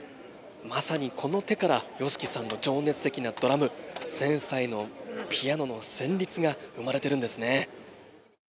まさに、この手からＹＯＳＨＩＫＩさんの情熱的なドラム、繊細なピアノの旋律が生まれているんですね。